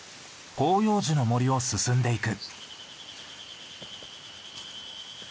広葉樹の森を進んでいく。